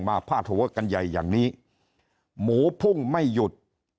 พาดหัวกันใหญ่อย่างนี้หมูพุ่งไม่หยุด